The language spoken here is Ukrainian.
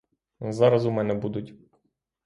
Зараз у мене будуть.